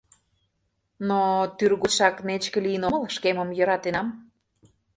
Но тӱргочшак нечке лийын омыл, шкемым йӧратенам.